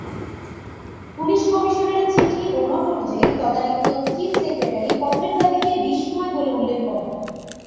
Police কমিশনারের চিঠি ও নোট অনুযায়ী তদানিন্তন চিফ সেক্রেটারি পথের দাবীকে 'বিষময়' বলে উল্লেখ করেন।